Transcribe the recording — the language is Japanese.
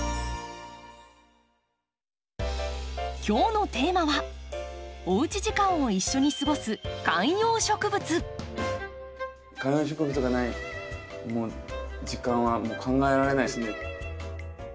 今日のテーマはおうち時間を一緒に過ごす観葉植物がない時間はもう考えられないですね。